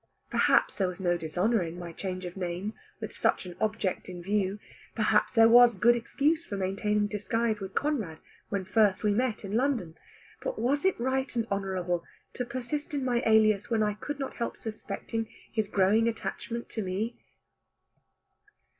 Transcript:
Perhaps there was no dishonour in my change of name, with such an object in view. Perhaps there was good excuse for maintaining disguise with Conrad, when first we met in London. But was it right and honourable to persist in my alias, when I could not help suspecting his growing attachment to me?